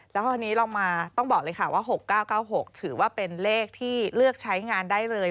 แล้วคราวนี้เรามาต้องบอกเลยค่ะว่า๖๙๙๖ถือว่าเป็นเลขที่เลือกใช้งานได้เลย